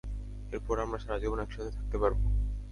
এরপর আমরা সারাজীবন একসাথে থাকতে পারবো!